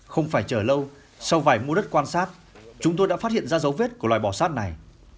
không phải chờ lâu sau vài mua đất quan sát chúng tôi đã phát hiện ra dấu vết của loài bò sát này